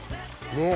ねえ。